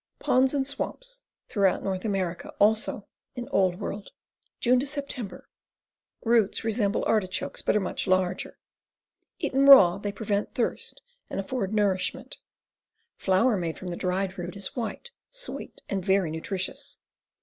Ponds and swamps. Throughout North America; also in Old World. June Sep. Roots resemble artichokes, but are much larger. Eaten raw, they prevent thirst and afford nourishment. Flour made from the dried root is white, sweet, and very nutritious.